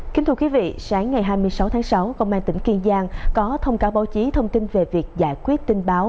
kính thưa quý vị sáng ngày hai mươi sáu tháng sáu công an tỉnh kiên giang có thông cáo báo chí thông tin về việc giải quyết tin báo